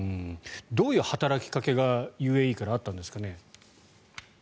どういう働きかけがＵＡＥからあったんですかね。